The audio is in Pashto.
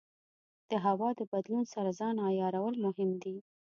د هوا د بدلون سره ځان عیارول مهم دي.